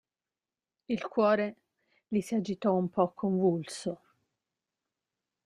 Il cuore gli si agitò un po' convulso.